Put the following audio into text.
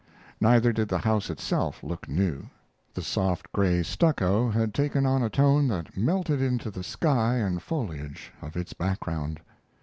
Neither did the house itself look new. The soft, gray stucco had taken on a tone that melted into the sky and foliage of its background.